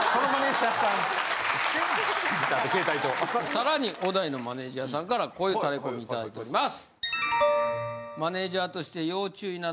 さらに小田井のマネジャーさんからこういうタレコミいただいております！